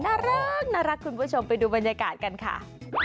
น่ารักคุณผู้ชมไปดูบรรยากาศกันค่ะ